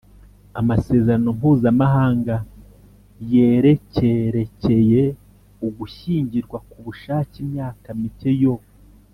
Amasezerano mpuzamahanga yerekerekeye ugushyingirwa ku bushake imyaka mike yo